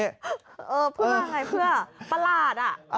เออพึ่งอะไรเพื่อประหลาดอ่ะ